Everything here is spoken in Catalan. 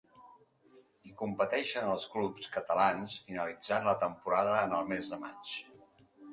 Hi competeixen els clubs catalans finalitzant la temporada en el mes de maig.